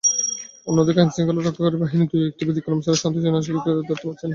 অন্যদিকে আইনশৃঙ্খলা রক্ষাকারী বাহিনীও দুএকটি ব্যতিক্রম ছাড়া সন্ত্রাসী-নাশকতাকারীদের ধরতে পারছে না।